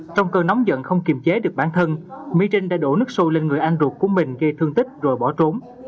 trong cơn nóng giận không kiềm chế được bản thân mỹ trinh đã đổ nước sâu lên người anh ruột của mình gây thương tích rồi bỏ trốn